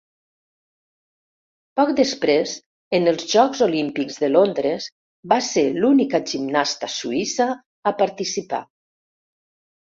Poc després, en els Jocs Olímpics de Londres, va ser l'única gimnasta suïssa a participar.